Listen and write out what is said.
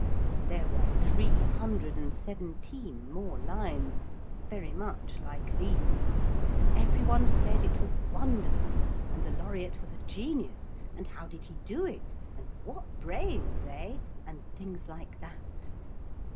There were three hundred and seventeen more lines, very much like these, and every one said it was wonderful, and the laureate was a genius, and how did he do it, and what brains, eh? and things like that.